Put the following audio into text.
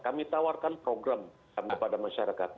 kami tawarkan program kepada masyarakat